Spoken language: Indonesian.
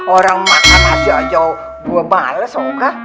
orang makan nasi ajau gue males oh kak